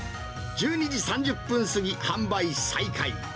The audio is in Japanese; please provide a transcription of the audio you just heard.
１２時３０分過ぎ、販売再開。